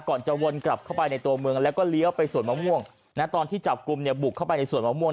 ก่อนจะวนกลับเข้าไปในตัวเมืองแล้วก็เลี้ยวไปสวนมะม่วงนะตอนที่จับกลุ่มเนี่ยบุกเข้าไปในสวนมะม่วง